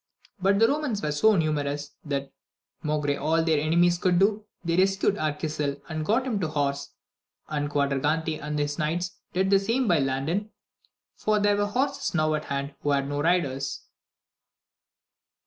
But the Romans were so numerous, that, maugre all their enemies could do, they rescued Arquisil and got him to horse, and Quadragante and his knights did the same by Landin, for there were horses enow at hand who had no riders.